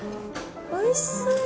おいしそう。